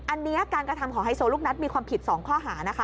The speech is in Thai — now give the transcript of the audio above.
อันนี้การกระทำของไฮโซลูกนัดมีความผิด๒ข้อหานะคะ